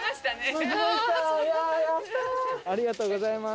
ありがとうございます。